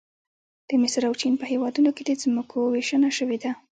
د مصر او چین په هېوادونو کې د ځمکو ویشنه شوې ده